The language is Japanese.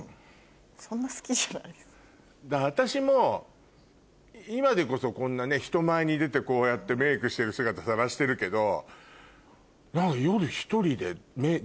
私も今でこそこんな人前に出てこうやってメイクしてる姿さらしてるけど。